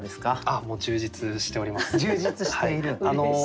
あっもう充実しております。